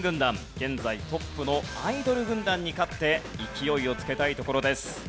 現在トップのアイドル軍団に勝って勢いをつけたいところです。